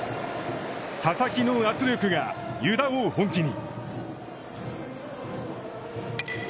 佐々木の圧力が湯田を本気に。